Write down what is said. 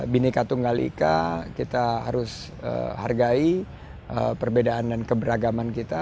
bineka tunggal ika kita harus hargai perbedaan dan keberagaman kita